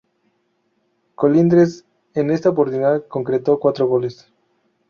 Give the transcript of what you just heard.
Colindres en esta oportunidad concretó cuatro goles.